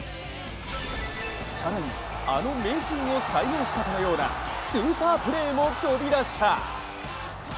更に、あの名シーンを再現したかのようなスーパープレーも飛び出した。